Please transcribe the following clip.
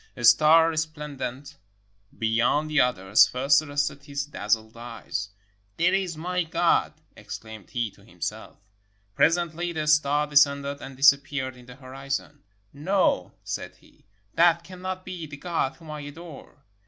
A star resplendent beyond the others first arrested his dazzled eyes: "There is my God," exclaimed he to himself. Presently the star descended and disap peared in the horizon. ''No," said he, "that cannot be the God whom I adore."